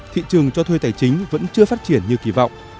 thị trường cho thuê tài chính vẫn chưa phát triển như kỳ vọng